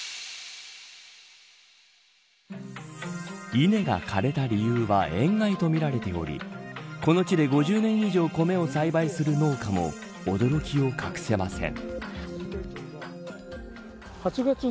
稲が枯れた理由は塩害とみられておりこの地で、５０年以上米を栽培する農家も驚きを隠せません。